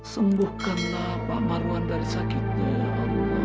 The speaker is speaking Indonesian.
sembuhkanlah pak marwan dari sakitnya ya allah